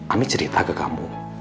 ami cerita ke kamu